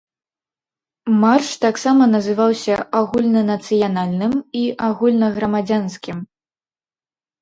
Марш таксама называўся агульнанацыянальным і агульнаграмадзянскім.